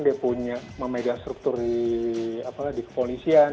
dia punya memegang struktur di kepolisian